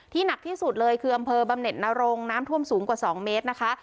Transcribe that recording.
หนักที่สุดเลยคืออำเภอบำเน็ตนรงน้ำท่วมสูงกว่า๒เมตรนะคะ